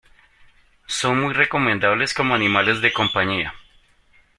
Son muy recomendables como animales de compañía.